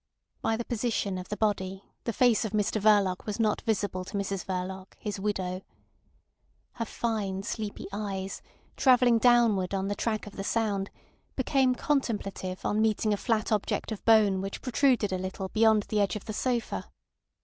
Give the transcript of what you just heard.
By the position of the body the face of Mr Verloc was not visible to Mrs Verloc, his widow. Her fine, sleepy eyes, travelling downward on the track of the sound, became contemplative on meeting a flat object of bone which protruded a little beyond the edge of the sofa.